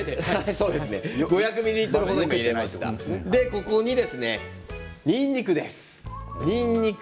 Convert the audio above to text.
ここに、にんにくです。